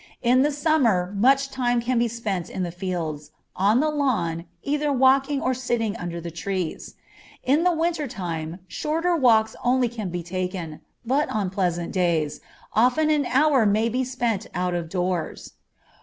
In the summer much time can be spent in the fields, on the lawn, either walking or sitting under the trees; in the winter time shorter walks only can be taken, but on pleasant days, often an hour may be spent out of doors.